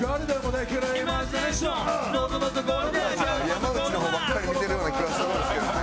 山内の方ばっかり見てるような気はするんですけどね。